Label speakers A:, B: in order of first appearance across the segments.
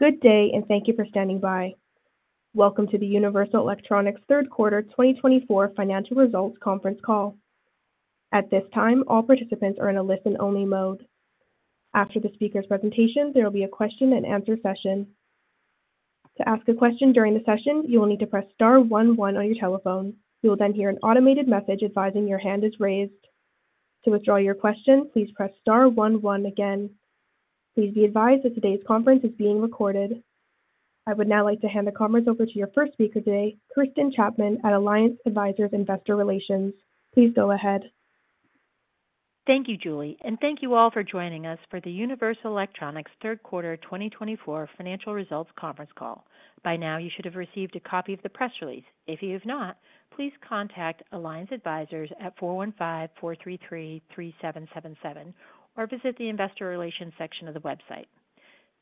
A: Good day, and thank you for standing by. Welcome to the Universal Electronics Q3 2024 Financial Results Conference Call. At this time, all participants are in a listen-only mode. After the speaker's presentation, there will be a question-and-answer session. To ask a question during the session, you will need to press star one one on your telephone. You will then hear an automated message advising your hand is raised. To withdraw your question, please press star one one again. Please be advised that today's conference is being recorded. I would now like to hand the conference over to your first speaker today, Kirsten Chapman at Alliance Advisors Investor Relations. Please go ahead.
B: Thank you, Julie, and thank you all for joining us for the Universal Electronics Q3 2024 Financial Results Conference Call. By now, you should have received a copy of the press release. If you have not, please contact Alliance Advisors at 415-433-3777 or visit the Investor Relations section of the website.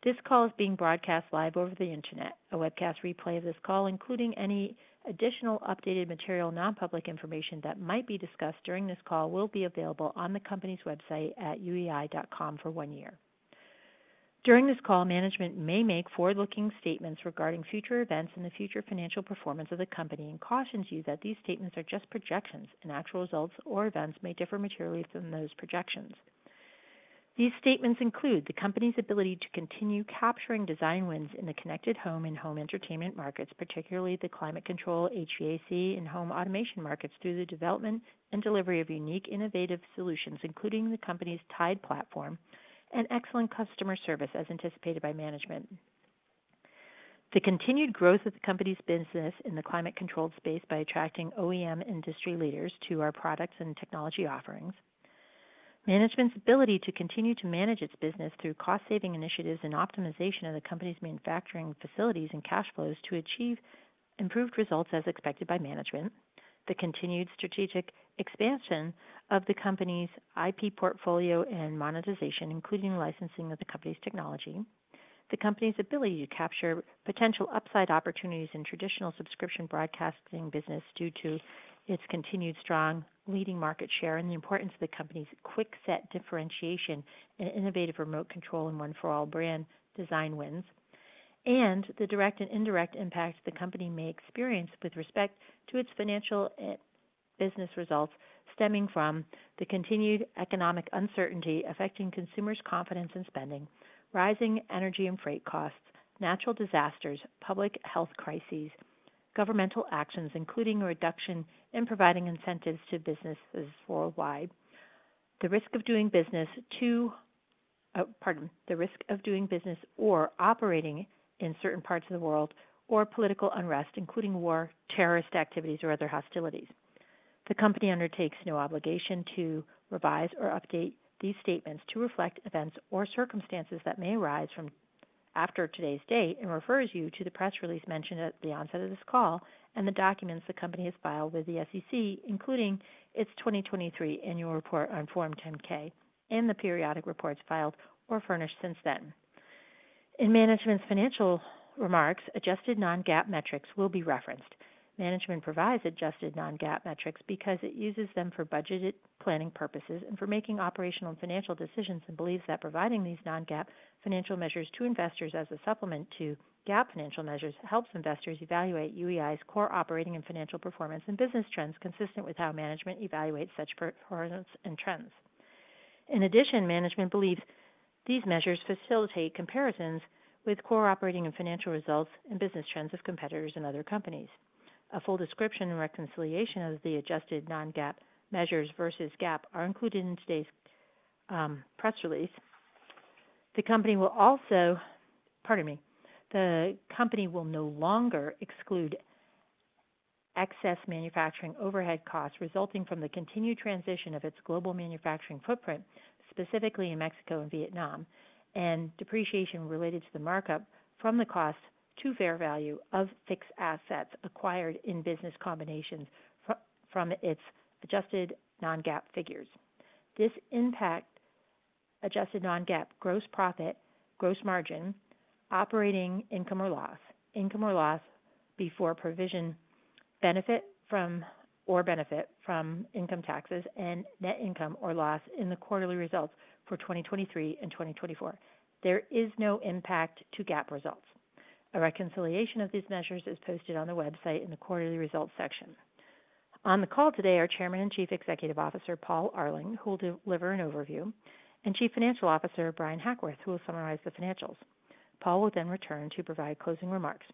B: This call is being broadcast live over the Internet. A webcast replay of this call, including any additional updated material and nonpublic information that might be discussed during this call, will be available on the company's website at uei.com for one year. During this call, management may make forward-looking statements regarding future events and the future financial performance of the company and cautions you that these statements are just projections, and actual results or events may differ materially from those projections. These statements include the company's ability to continue capturing design wins in the connected home and home entertainment markets, particularly the climate control, HVAC, and home automation markets through the development and delivery of unique, innovative solutions, including the company's TIDE platform, and excellent customer service, as anticipated by management. The continued growth of the company's business in the climate-controlled space by attracting OEM industry leaders to our products and technology offerings. Management's ability to continue to manage its business through cost-saving initiatives and optimization of the company's manufacturing facilities and cash flows to achieve improved results, as expected by management. The continued strategic expansion of the company's IP portfolio and monetization, including licensing of the company's technology. The company's ability to capture potential upside opportunities in traditional subscription broadcasting business due to its continued strong leading market share and the importance of the company's QuickSet differentiation and innovative remote control. One For All brand design wins, and the direct and indirect impact the company may experience with respect to its financial business results stemming from the continued economic uncertainty affecting consumers' confidence in spending, rising energy and freight costs, natural disasters, public health crises, governmental actions, including reduction in providing incentives to businesses worldwide. The risk of doing business or operating in certain parts of the world or political unrest, including war, terrorist activities, or other hostilities. The company undertakes no obligation to revise or update these statements to reflect events or circumstances that may arise after today's date and refers you to the press release mentioned at the onset of this call and the documents the company has filed with the SEC, including its 2023 annual report on Form 10-K and the periodic reports filed or furnished since then. In management's financial remarks, adjusted non-GAAP metrics will be referenced. Management provides adjusted non-GAAP metrics because it uses them for budgeted planning purposes and for making operational and financial decisions and believes that providing these non-GAAP financial measures to investors as a supplement to GAAP financial measures helps investors evaluate UEI's core operating and financial performance and business trends consistent with how management evaluates such performance and trends. In addition, management believes these measures facilitate comparisons with core operating and financial results and business trends of competitors and other companies. A full description and reconciliation of the adjusted non-GAAP measures versus GAAP are included in today's press release. The company will also, pardon me. The company will no longer exclude excess manufacturing overhead costs resulting from the continued transition of its global manufacturing footprint, specifically in Mexico and Vietnam, and depreciation related to the markup from the cost to fair value of fixed assets acquired in business combinations from its adjusted non-GAAP figures. This impact adjusted non-GAAP gross profit, gross margin, operating income or loss, income or loss before provision benefit from or benefit from income taxes, and net income or loss in the quarterly results for 2023 and 2024. There is no impact to GAAP results. A reconciliation of these measures is posted on the website in the quarterly results section. On the call today are Chairman and Chief Executive Officer Paul Arling, who will deliver an overview, and Chief Financial Officer Bryan Hackworth, who will summarize the financials. Paul will then return to provide closing remarks.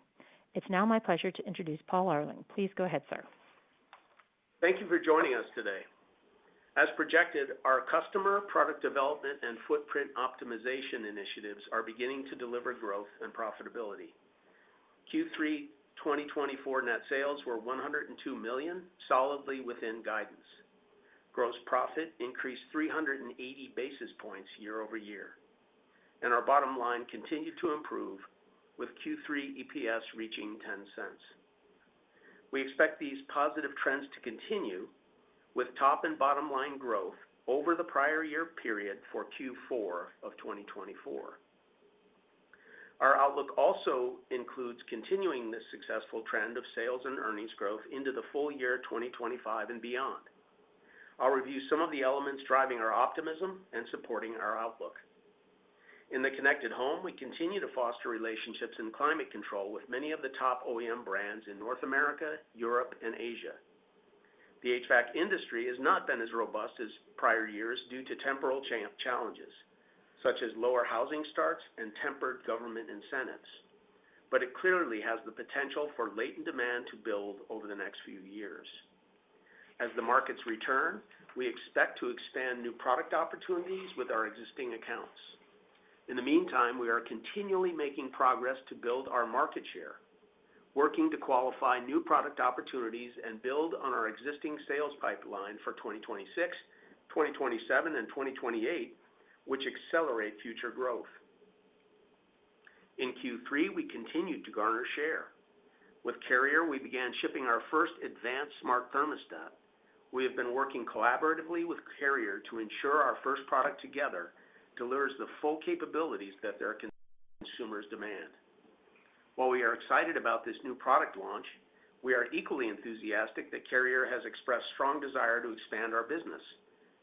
B: It's now my pleasure to introduce Paul Arling. Please go ahead, sir.
C: Thank you for joining us today. As projected, our customer product development and footprint optimization initiatives are beginning to deliver growth and profitability. Q3 2024 net sales were $102 million, solidly within guidance. Gross profit increased 380 basis points year over year, our bottom line continued to improve with Q3 EPS reaching $0.10. We expect these positive trends to continue with top and bottom line growth over the prior year period for Q4 of 2024. Our outlook also includes continuing this successful trend of sales and earnings growth into the full year 2025 and beyond. I'll review some of the elements driving our optimism and supporting our outlook. In the connected home, we continue to foster relationships and climate control with many of the top OEM brands in North America, Europe, and Asia. The HVAC industry has not been as robust as prior years due to temporal challenges such as lower housing starts and tempered government incentives, but it clearly has the potential for latent demand to build over the next few years. As the markets return, we expect to expand new product opportunities with our existing accounts. In the meantime, we are continually making progress to build our market share, working to qualify new product opportunities and build on our existing sales pipeline for 2026, 2027, and 2028, which accelerate future growth. In Q3, we continued to garner share. With Carrier, we began shipping our first advanced smart thermostat. We have been working collaboratively with Carrier to ensure our first product together delivers the full capabilities that their consumers demand. While we are excited about this new product launch, we are equally enthusiastic that Carrier has expressed strong desire to expand our business,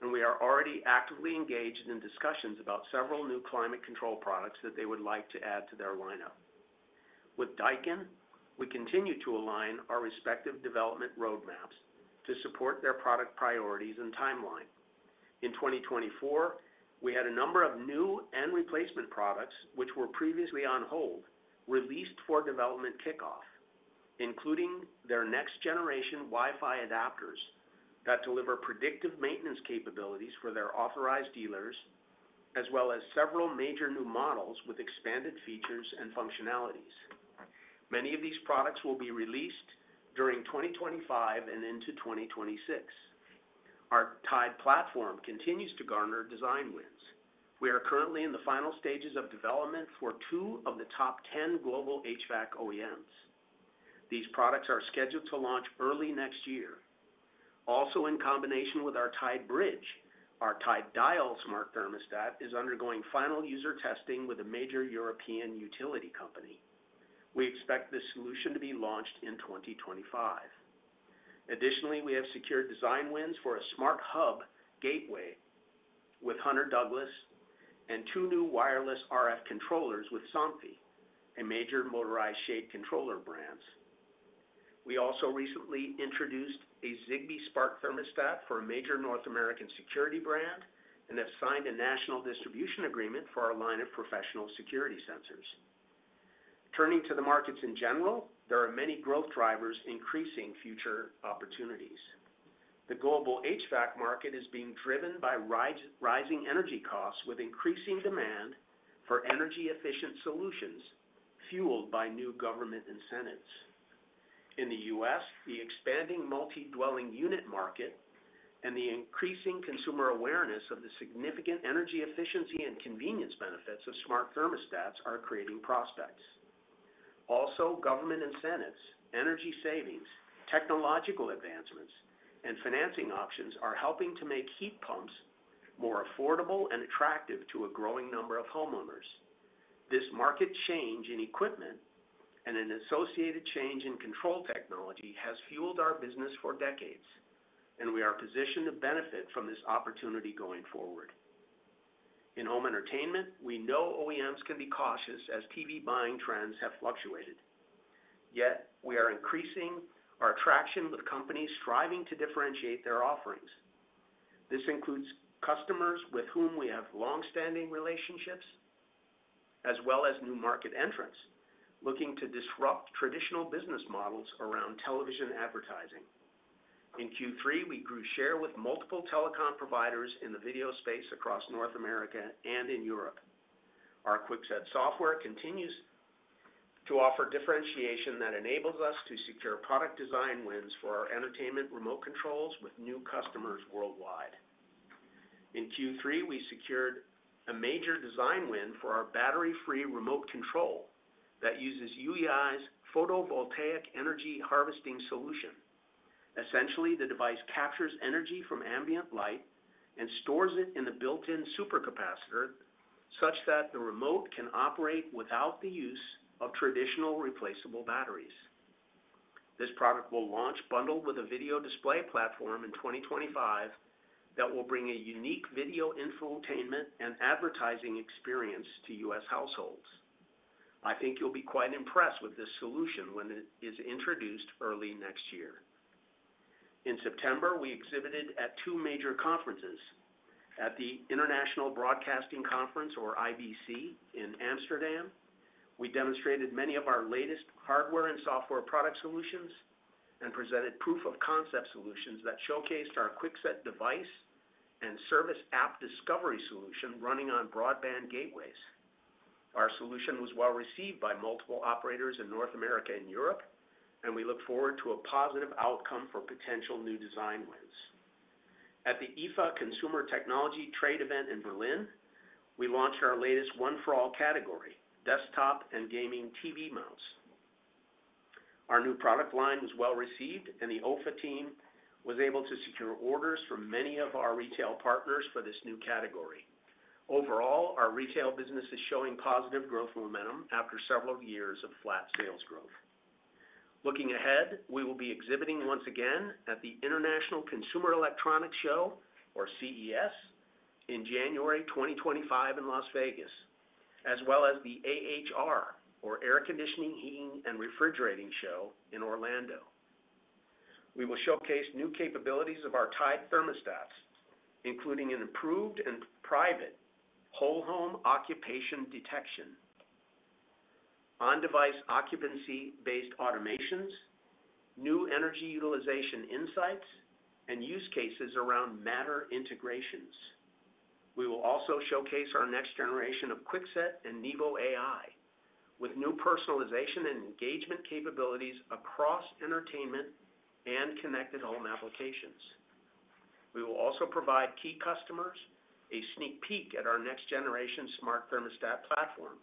C: we are already actively engaged in discussions about several new climate control products that they would like to add to their lineup. With Daikin, we continue to align our respective development roadmaps to support their product priorities and timeline. In 2024, we had a number of new and replacement products which were previously on hold released for development kickoff, including their next-generation Wi-Fi adapters that deliver predictive maintenance capabilities for their authorized dealers, as well as several major new models with expanded features and functionalities. Many of these products will be released during 2025 and into 2026. Our TIDE platform continues to garner design wins. We are currently in the final stages of development for two of the top 10 global HVAC OEMs. These products are scheduled to launch early next year. Also, in combination with our TIDE Bridge, our TIDE Dial smart thermostat is undergoing final user testing with a major European utility company. We expect this solution to be launched in 2025. Additionally, we have secured design wins for a smart hub gateway with Hunter Douglas and two new wireless RF controllers with Somfy, a major motorized shade controller brand. We also recently introduced a Zigbee smart thermostat for a major North American security brand and have signed a national distribution agreement for our line of professional security sensors. Turning to the markets in general, there are many growth drivers increasing future opportunities. The global HVAC market is being driven by rising energy costs with increasing demand for energy-efficient solutions fueled by new government incentives. In the U.S., the expanding multi-dwelling unit market and the increasing consumer awareness of the significant energy efficiency and convenience benefits of smart thermostats are creating prospects. Also, government incentives, energy savings, technological advancements, and financing options are helping to make heat pumps more affordable and attractive to a growing number of homeowners. This market change in equipment and an associated change in control technology has fueled our business for decades, and we are positioned to benefit from this opportunity going forward. In home entertainment, we know OEMs can be cautious as TV buying trends have fluctuated. Yet, we are increasing our traction with companies striving to differentiate their offerings. This includes customers with whom we have long-standing relationships, as well as new market entrants looking to disrupt traditional business models around television advertising. In Q3, we grew share with multiple telecom providers in the video space across North America and in Europe. Our QuickSet software continues to offer differentiation that enables us to secure product design wins for our entertainment remote controls with new customers worldwide. In Q3, we secured a major design win for our battery-free remote control that uses UEI's photovoltaic energy harvesting solution. Essentially, the device captures energy from ambient light and stores it in the built-in supercapacitor such that the remote can operate without the use of traditional replaceable batteries. This product will launch bundled with a video display platform in 2025 that will bring a unique video infotainment and advertising experience to U.S. households. I think you'll be quite impressed with this solution when it is introduced early next year. In September, we exhibited at two major conferences. At the International Broadcasting Conference, or IBC, in Amsterdam, we demonstrated many of our latest hardware and software product solutions and presented proof-of-concept solutions that showcased our QuickSet device and service app discovery solution running on broadband gateways. Our solution was well received by multiple operators in North America and Europe, and we look forward to a positive outcome for potential new design wins. At the IFA Consumer Technology Trade Event in Berlin, we launched our latest One For All category, desktop and gaming TV mounts. Our new product line was well received, and the OFA team was able to secure orders from many of our retail partners for this new category. Overall, our retail business is showing positive growth momentum after several years of flat sales growth. Looking ahead, we will be exhibiting once again at the International Consumer Electronics Show, or CES, in January 2025 in Las Vegas, as well as the AHR, or Air Conditioning, Heating, and Refrigerating Show in Orlando. We will showcase new capabilities of our TIDE thermostats, including an improved and private whole-home occupation detection, on-device occupancy-based automations, new energy utilization insights, and use cases around Matter integrations. We will also showcase our next generation of QuickSet and Nevo AI with new personalization and engagement capabilities across entertainment and connected home applications. We will also provide key customers a sneak peek at our next generation smart thermostat platform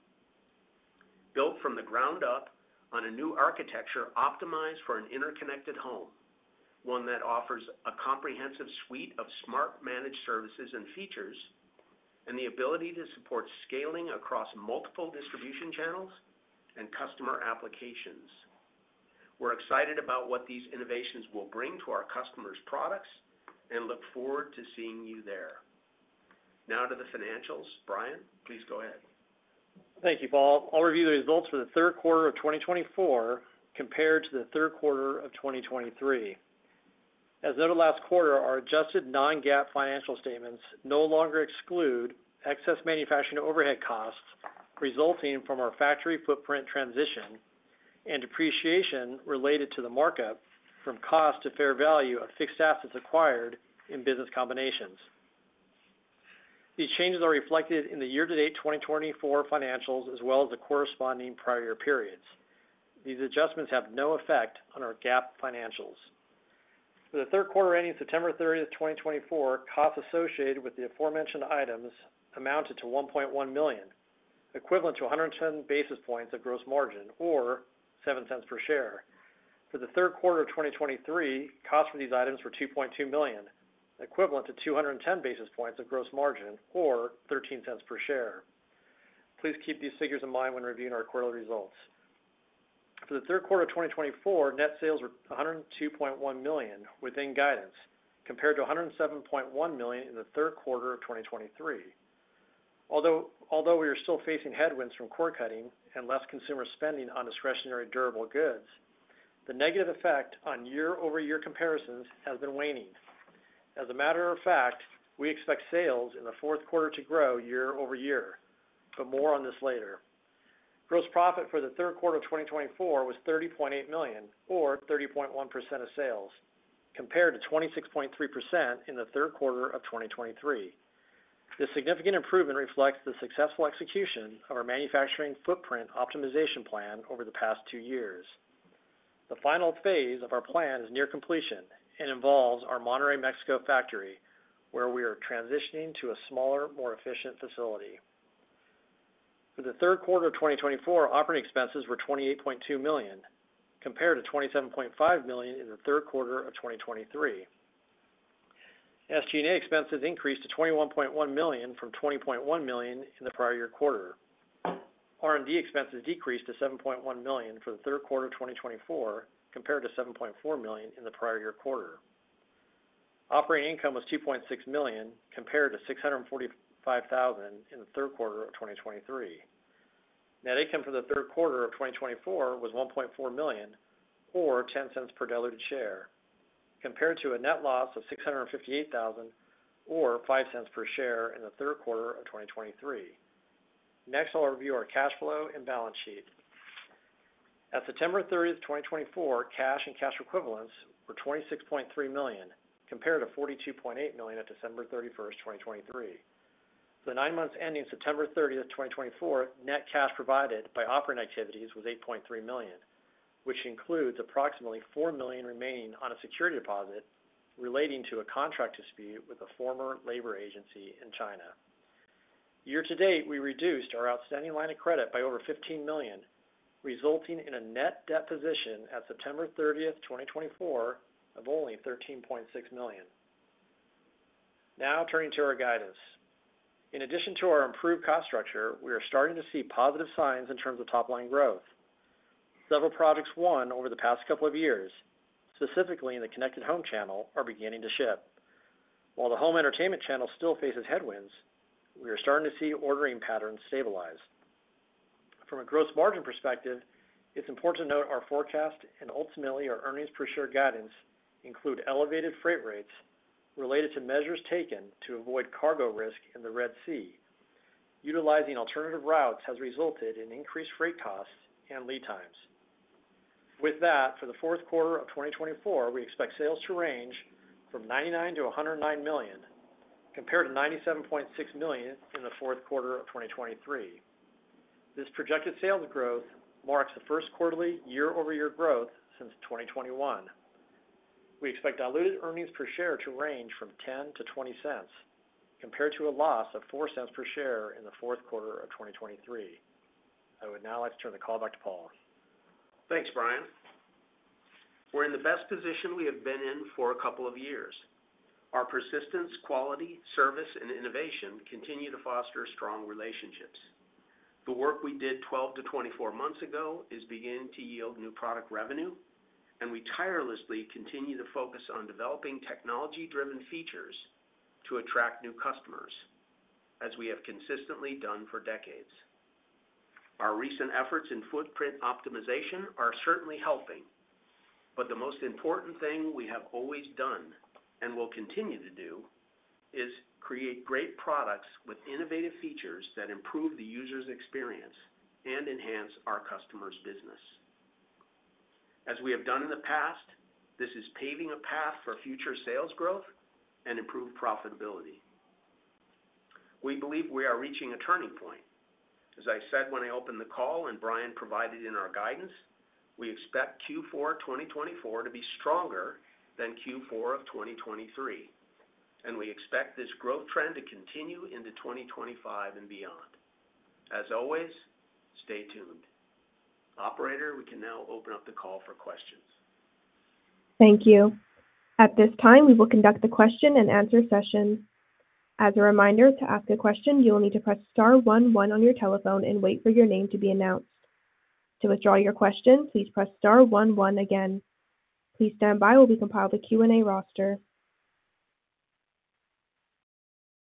C: built from the ground up on a new architecture optimized for an interconnected home, one that offers a comprehensive suite of smart managed services and features and the ability to support scaling across multiple distribution channels and customer applications. We're excited about what these innovations will bring to our customers' products and look forward to seeing you there. Now to the financials. Bryan, please go ahead.
D: Thank you, Paul. I'll review the results for Q3 of 2024 compared to the Q3 of 2023. As noted last quarter, our adjusted non-GAAP financial statements no longer exclude excess manufacturing overhead costs resulting from our factory footprint transition and depreciation related to the markup from cost to fair value of fixed assets acquired in business combinations. These changes are reflected in the year-to-date 2024 financials as well as the corresponding prior year periods. These adjustments have no effect on our GAAP financials. For the Q3 ending 30 September 2024, costs associated with the aforementioned items amounted to $1.1 million, equivalent to 110 basis points of gross margin or $0.07 per share. For the Q3 of 2023, costs for these items were $2.2 million, equivalent to 210 basis points of gross margin or $0.13 per share. Please keep these figures in mind when reviewing our quarterly results. For the Q3 of 2024, net sales were $102.1 million within guidance compared to $107.1 million in the Q3 of 2023. Although we are still facing headwinds from cost cutting and less consumer spending on discretionary durable goods, the negative effect on year-over-year comparisons has been waning. As a matter of fact, we expect sales in the Q4 to grow year over year, but more on this later. Gross profit for the Q3 of 2024 was $30.8 million, or 30.1% of sales, compared to 26.3% in the Q3 of 2023. This significant improvement reflects the successful execution of our manufacturing footprint optimization plan over the past two years. The final phase of our plan is near completion and involves our Monterrey, Mexico factory, where we are transitioning to a smaller, more efficient facility. For the Q3 of 2024, operating expenses were $28.2 million compared to $27.5 million in the Q3 of 2023. SG&A expenses increased to $21.1 million from $20.1 million in the prior year quarter. R&D expenses decreased to $7.1 million for the Q3 of 2024 compared to $7.4 million in the prior year quarter. Operating income was $2.6 million compared to $645,000 in the Q3 of 2023. Net income for the Q3 of 2024 was $1.4 million, or $0.10 per diluted share, compared to a net loss of $658,000, or $0.05 per share in the Q3 of 2023. Next, I'll review our cash flow and balance sheet. At 30 September 2024, cash and cash equivalents were $26.3 million compared to $42.8 million at 31 December 2023. For the nine months ending 30 September 2024, net cash provided by operating activities was $8.3 million, which includes approximately $4 million remaining on a security deposit relating to a contract dispute with a former labor agency in China. Year-to-date, we reduced our outstanding line of credit by over $15 million, resulting in a net debt position at 30 September 2024, of only $13.6 million. Now, turning to our guidance. In addition to our improved cost structure, we are starting to see positive signs in terms of top-line growth. Several projects won over the past couple of years, specifically in the connected home channel, are beginning to ship. While the home entertainment channel still faces headwinds, we are starting to see ordering patterns stabilize. From a gross margin perspective, it's important to note our forecast and ultimately our earnings per share guidance include elevated freight rates related to measures taken to avoid cargo risk in the Red Sea. Utilizing alternative routes has resulted in increased freight costs and lead times. With that, for the Q4 of 2024, we expect sales to range from $99 million to 109 million, compared to $97.6 million in the Q4 of 2023. This projected sales growth marks the first quarterly year-over-year growth since 2021. We expect diluted earnings per share to range from $0.10 to 0.20, compared to a loss of $0.04 per share in the Q4 of 2023. I would now like to turn the call back to Paul. Thanks, Bryan. We're in the best position we have been in for a couple of years. Our persistence, quality, service, and innovation continue to foster strong relationships. The work we did 12 to 24 months ago is beginning to yield new product revenue, and we tirelessly continue to focus on developing technology-driven features to attract new customers, as we have consistently done for decades. Our recent efforts in footprint optimization are certainly helping, but the most important thing we have always done and will continue to do is create great products with innovative features that improve the user's experience and enhance our customer's business. As we have done in the past, this is paving a path for future sales growth and improved profitability. We believe we are reaching a turning point.
C: As I said when I opened the call and Bryan provided in our guidance, we expect Q4 2024 to be stronger than Q4 of 2023, and we expect this growth trend to continue into 2025 and beyond. As always, stay tuned. Operator, we can now open up the call for questions.
A: Thank you. At this time, we will conduct the question and answer session. As a reminder, to ask a question, you will need to press star one one on your telephone and wait for your name to be announced. To withdraw your question, please press star one one again. Please stand by while we compile the Q&A roster.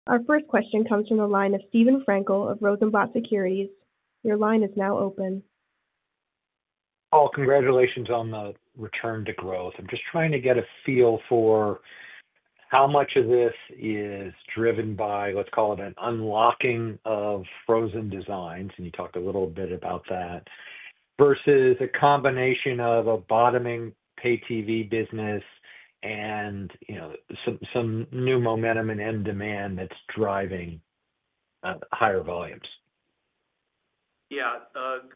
A: Our first question comes from the line of Steven Frankel of Rosenblatt Securities. Your line is now open.
E: Paul, congratulations on the return to growth. I'm just trying to get a feel for how much of this is driven by, let's call it, an unlocking of frozen designs, you talked a little bit about that, versus a combination of a bottoming pay TV business and some new momentum and end demand that's driving higher volumes?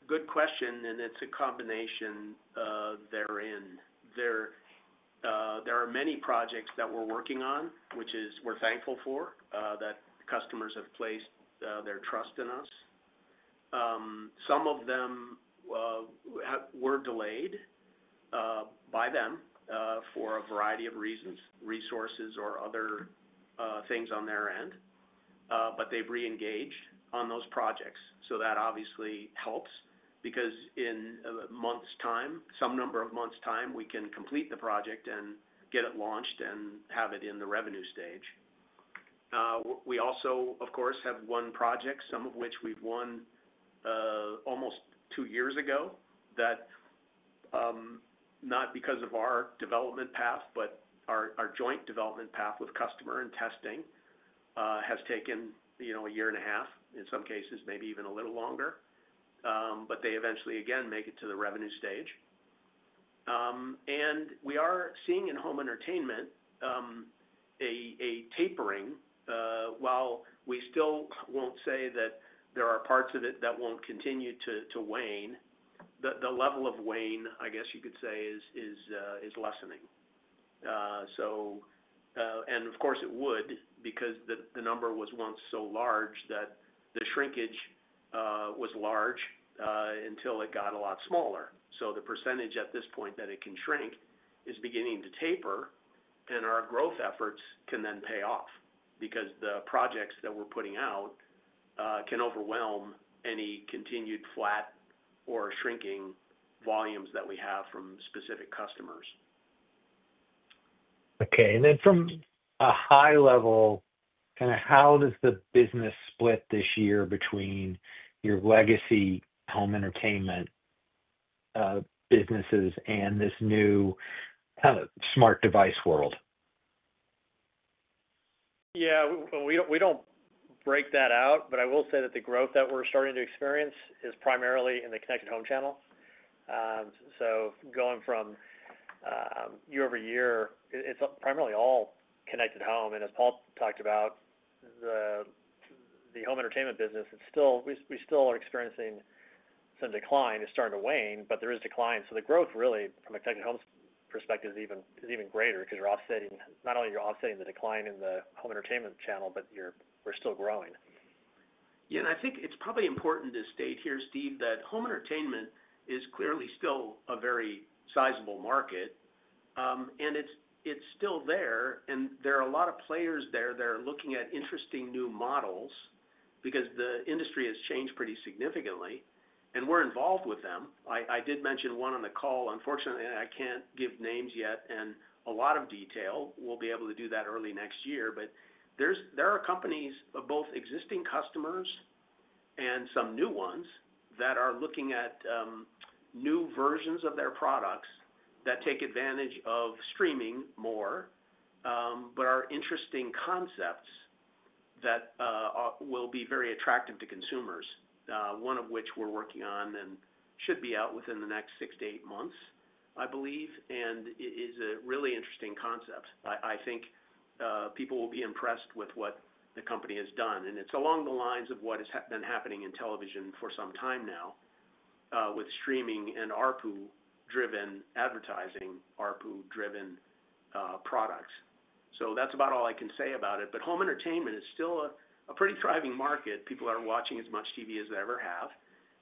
C: Good question, and it's a combination therein. There are many projects that we're working on, which we're thankful for that customers have placed their trust in us. Some of them were delayed by them for a variety of reasons, resources, or other things on their end, but they've reengaged on those projects. That obviously helps because in a month's time, some number of months' time, we can complete the project and get it launched and have it in the revenue stage. We also, of course, have won projects, some of which we've won almost two years ago that, not because of our development path, our joint development path with customer and testing, has taken a year and a half, in some cases, maybe even a little longer, but they eventually, again, make it to the revenue stage, and we are seeing in home entertainment a tapering. While we still won't say that there are parts of it that won't continue to wane, the level of wane, I guess you could say, is lessening. Of course, it would because the number was once so large that the shrinkage was large until it got a lot smaller. The percentage at this point that it can shrink is beginning to taper, our growth efforts can then pay off because the projects that we're putting out can overwhelm any continued flat or shrinking volumes that we have from specific customers.
E: Okay. From a high level, kind of how does the business split this year between your legacy home entertainment businesses and this new kind of smart device world?
D: We don't break that out, but I will say that the growth that we're starting to experience is primarily in the connected home channel. Going from year over year, it's primarily all connected home. As Paul talked about, the home entertainment business, we still are experiencing some decline. It's starting to wane, but there is decline. The growth really from a connected home perspective is even greater because you're offsetting not only the decline in the home entertainment channel, but we're still growing.
C: I think it's probably important to state here, Steve, that home entertainment is clearly still a very sizable market, and it's still there. There are a lot of players there that are looking at interesting new models because the industry has changed pretty significantly, we're involved with them. I did mention one on the call. Unfortunately, I can't give names yet and a lot of detail. We'll be able to do that early next year. But there are companies of both existing customers and some new ones that are looking at new versions of their products that take advantage of streaming more, but are interesting concepts that will be very attractive to consumers, one of which we're working on and should be out within the next six to eight months, I believe, and it is a really interesting concept. I think people will be impressed with what the company has done, and it's along the lines of what has been happening in television for some time now with streaming and ARPU-driven advertising, ARPU-driven products, so that's about all I can say about it. Home entertainment is still a pretty thriving market. People are watching as much TV as they ever have,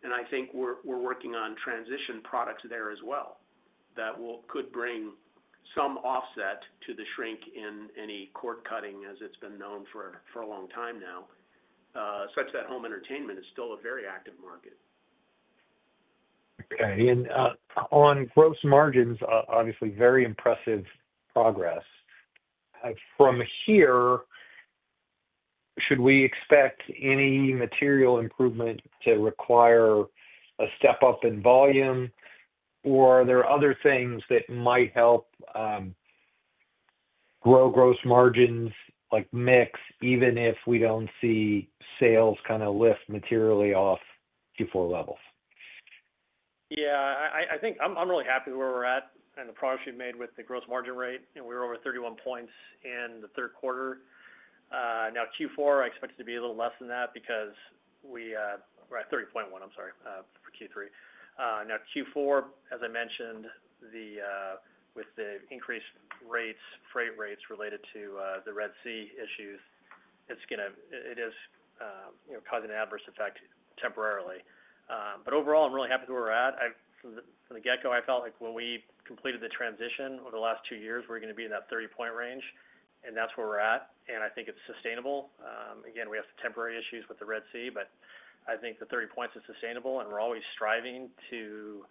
C: and I think we're working on transition products there as well that could bring some offset to the shrink in any cord cutting, as it's been known for a long time now, such that home entertainment is still a very active market.
E: Okay. On gross margins, obviously, very impressive progress. From here, should we expect any material improvement to require a step up in volume, or are there other things that might help grow gross margins like mix, even if we don't see sales kind of lift materially off Q4 levels?
D: I think I'm really happy with where we're at and the progress we've made with the gross margin rate. We were over 31 points in the Q3. Now, Q4, I expect it to be a little less than that because we're at 30.1, I'm sorry, for Q3. Now, Q4, as I mentioned, with the increased rates, freight rates related to the Red Sea issues, it is causing an adverse effect temporarily, overall, I'm really happy with where we're at. From the get-go, I felt like when we completed the transition over the last two years, we're going to be in that 30-point range, and that's where we're at, and I think it's sustainable. Again, we have temporary issues with the Red Sea, but I think the 30 points is sustainable, and we're always striving to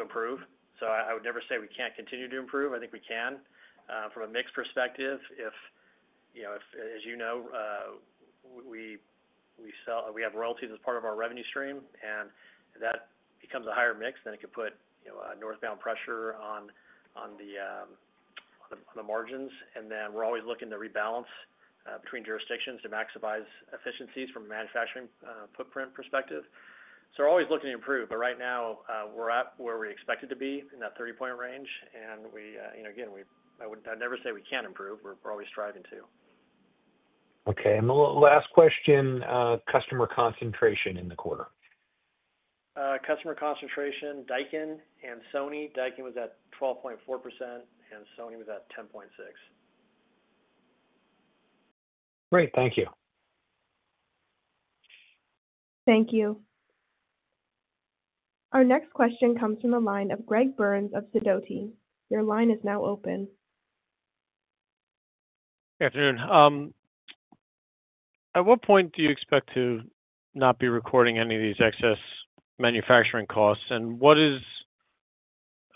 D: improve, I would never say we can't continue to improve. I think we can. From a mix perspective, as you know, we have royalties as part of our revenue stream, and that becomes a higher mix than it could put northbound pressure on the margins, and then we're always looking to rebalance between jurisdictions to maximize efficiencies from a manufacturing footprint perspective, so we're always looking to improve, but right now, we're at where we expect it to be in that 30 points range, and again, I would never say we can't improve. We're always striving to.
E: Okay. The last question, customer concentration in the quarter?
D: Customer concentration, Daikin and Sony. Daikin was at 12.4%, and Sony was at 10.6%.
E: Great. Thank you.
A: Thank you. Our next question comes from the line of Greg Burns of Sidoti. Your line is now open.
F: Good afternoon. At what point do you expect to not be recording any of these excess manufacturing costs? And what is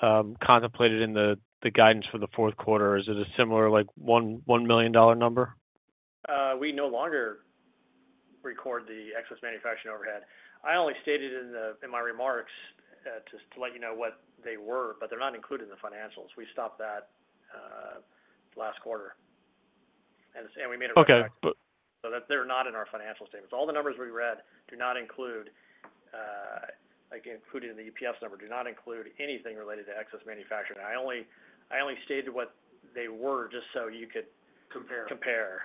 F: contemplated in the guidance for the Q4? Is it a similar $1 million number?
D: We no longer record the excess manufacturing overhead. I only stated in my remarks just to let you know what they were, but they're not included in the financials. We stopped that last quarter, and we made a remark. They're not in our financial statements. All the numbers we read do not include, including the EPS number, do not include anything related to excess manufacturing. I only stated what they were just you could compare.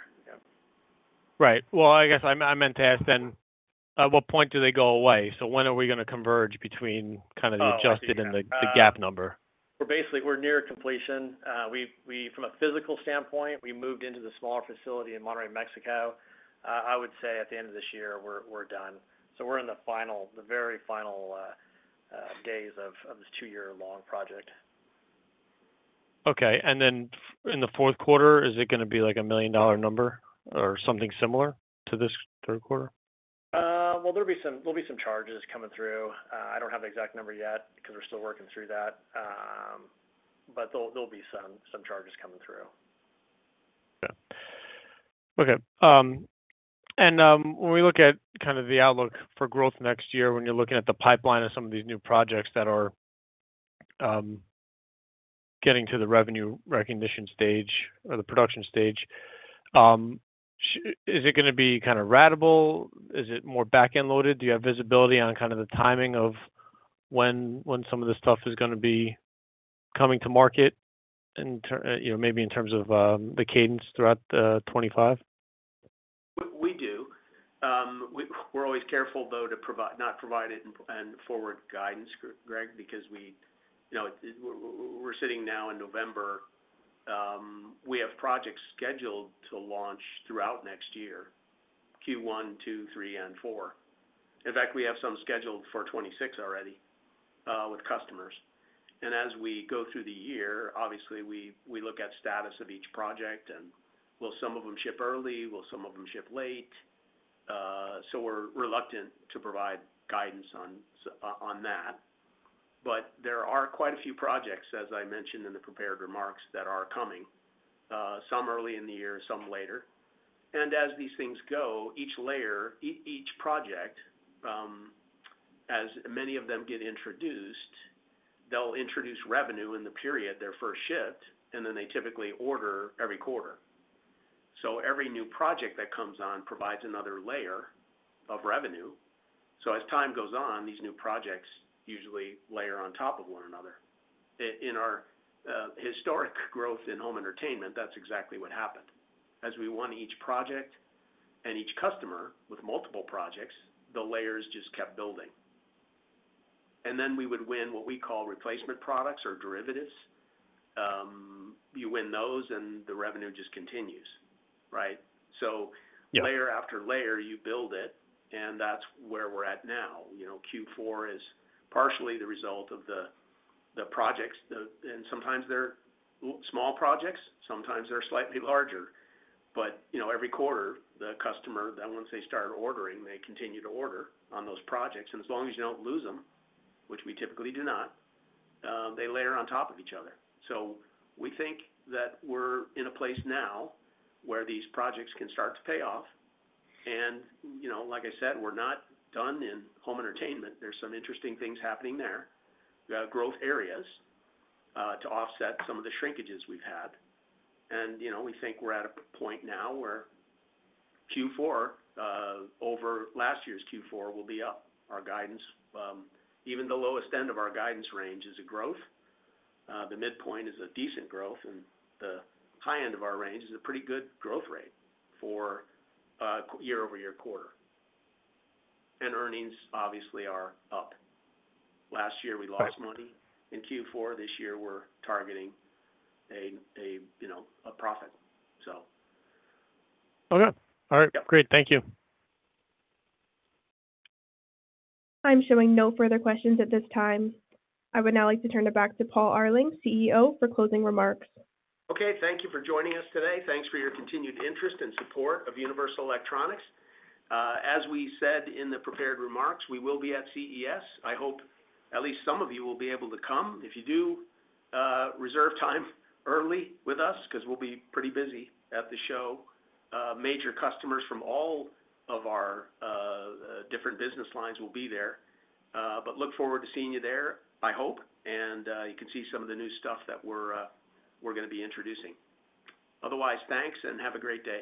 F: Right. Well, I guess I meant to ask then, at what point do they go away? When are we going to converge between kind of the adjusted and the GAAP number?
D: Basically, we're near completion. From a physical standpoint, we moved into the smaller facility in Monterrey, Mexico. I would say at the end of this year, we're done. So we're in the very final days of this two-year-long project.
F: Okay. In the Q4, is it going to be like a $1 million number or something similar to this Q3?
D: There'll be some charges coming through. I don't have the exact number yet because we're still working through that, there'll be some charges coming through.
F: When we look at kind of the outlook for growth next year, when you're looking at the pipeline of some of these new projects that are getting to the revenue recognition stage or the production stage, is it going to be kind of ratable? Is it more back-end loaded? Do you have visibility on kind of the timing of when some of this stuff is going to be coming to market, maybe in terms of the cadence throughout 2025?
C: We do. We're always careful, though, to not provide it and forward guidance, Greg, because we're sitting now in November. We have projects scheduled to launch throughout next year, Q1, Q2, Q3, and Q4. In fact, we have some scheduled for 2026 already with customers, and as we go through the year, obviously, we look at status of each project, and will some of them ship early? Will some of them ship late, so we're reluctant to provide guidance on that, but there are quite a few projects, as I mentioned in the prepared remarks, that are coming, some early in the year, some later. As these things go, each layer, each project, as many of them get introduced, they'll introduce revenue in the period their first ship, and then they typically order every quarter, so every new project that comes on provides another layer of revenue. As time goes on, these new projects usually layer on top of one another. In our historic growth in home entertainment, that's exactly what happened. As we won each project and each customer with multiple projects, the layers just kept building. We would win what we call replacement products or derivatives. You win those, and the revenue just continues, right? Layer after layer, you build it, and that's where we're at now. Q4 is partially the result of the projects. Sometimes they're small projects. Sometimes they're slightly larger. Every quarter, the customer, then once they start ordering, they continue to order on those projects. As long as you don't lose them, which we typically do not, they layer on top of each other. We think that we're in a place now where these projects can start to pay off. Like I said, we're not done in home entertainment. There's some interesting things happening there. We have growth areas to offset some of the shrinkages we've had. We think we're at a point now where Q4, over last year's Q4, will be up. Even the lowest end of our guidance range is a growth. The midpoint is a decent growth, and the high end of our range is a pretty good growth rate for year-over-year quarter. Earnings, obviously, are up. Last year, we lost money in Q4. This year, we're targeting a profit.
F: All right. Great. Thank you.
A: I'm showing no further questions at this time. I would now like to turn it back to Paul Arling, CEO, for closing remarks.
C: Thank you for joining us today. Thanks for your continued interest and support of Universal Electronics. As we said in the prepared remarks, we will be at CES. I hope at least some of you will be able to come. If you do, reserve time early with us because we'll be pretty busy at the show. Major customers from all of our different business lines will be there. Look forward to seeing you there, I hope, and you can see some of the new stuff that we're going to be introducing. Otherwise, thanks and have a great day.